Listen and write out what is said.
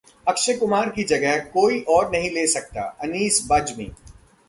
अक्षय कुमार की जगह कोई और नहीं ले सकता: अनीस बज्मी